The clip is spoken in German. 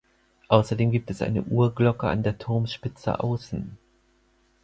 Außerdem gibt es eine Uhrglocke an der Turmspitze außen.